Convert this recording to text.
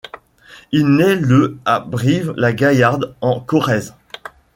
Il naît le à Brive-la-Gaillarde en Corrèze.